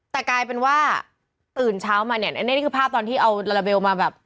แต่กลายเป็นว่าตื่นเช้ามาเนี่ยอันนี้คือภาพตอนที่เอาลาลาเบลมาแบบ